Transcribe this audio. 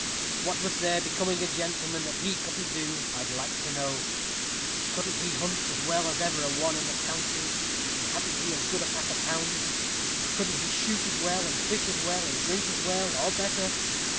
What was there becoming a gentleman that he couldn't do, I'd like to know? Couldn't he hunt as well as ever a one in the county? and hadn't he as good a pack of hounds? Couldn't he shoot as well, and fish as well, and drink as well, or better?